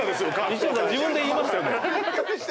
西堀さん自分で言いましたよね。